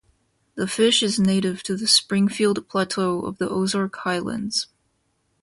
The fish is native to the Springfield Plateau of the Ozark Highlands.